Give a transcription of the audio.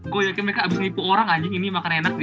gue yakin mereka abis nipu orang anjing ini makan enak dia